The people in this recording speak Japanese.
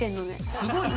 すごいね！